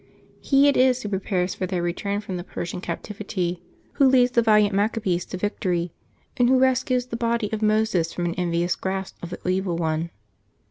He it is who prepares for their return from the Persian captivity, who leads the valiant Macca bees to victory, and who rescues the body of Moses from the envious grasp of the Evil One.